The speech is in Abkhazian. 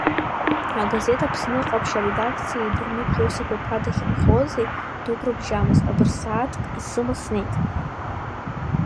Агазеҭ Аԥсны ҟаԥшь аредакциеи Дырмит Иосиф-иԥа дахьынхози дук рыбжьамызт, абырсааҭк исыма снеит.